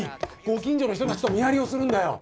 ご近所の人たちと見張りをするんだよ。